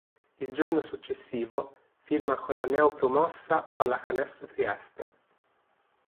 Il giorno successivo, firma con la neo-promossa Pallacanestro Trieste.